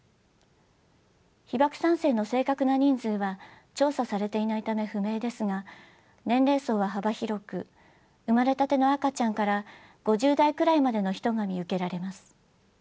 被爆三世の正確な人数は調査されていないため不明ですが年齢層は幅広く生まれたての赤ちゃんから５０代くらいまでの人が見受けられます。